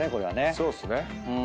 そうっすね。